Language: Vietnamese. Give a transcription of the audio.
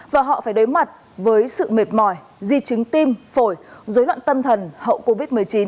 và họ phải đối mặt với sự mệt mỏi di chứng tim phổi dối loạn tâm thần hậu covid một mươi chín